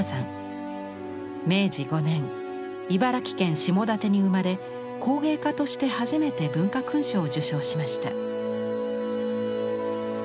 明治５年茨城県下館に生まれ工芸家として初めて文化勲章を受章しました。